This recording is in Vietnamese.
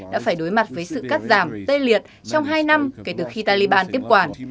đã phải đối mặt với sự cắt giảm tê liệt trong hai năm kể từ khi taliban tiếp quản